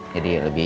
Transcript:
jadi lebih simpel